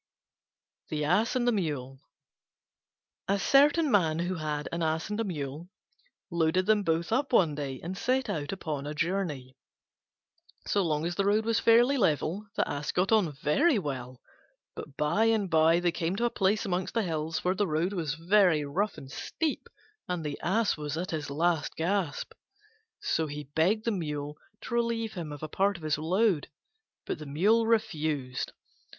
THE ASS AND THE MULE A certain man who had an Ass and a Mule loaded them both up one day and set out upon a journey. So long as the road was fairly level, the Ass got on very well: but by and by they came to a place among the hills where the road was very rough and steep, and the Ass was at his last gasp. So he begged the Mule to relieve him of a part of his load: but the Mule refused.